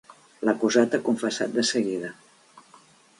L'acusat ha confessat de seguida.